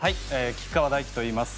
吉川大貴といいます。